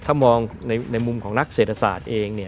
ถ้ามองในมุมของนักเศรษฐศาสตร์เองเนี่ย